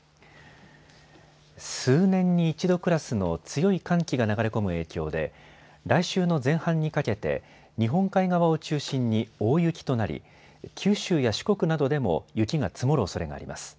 数年に一度クラスの強い寒気が流れ込む影響で来週の前半にかけて日本海側を中心に大雪となり九州や四国などでも雪が積もるおそれがあります。